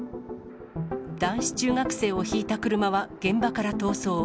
男子中学生をひいた車は現場から逃走。